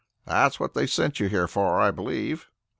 That's what they sent you here for, I believe."